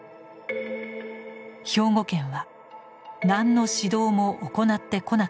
兵庫県は「何の指導も行ってこなかった」。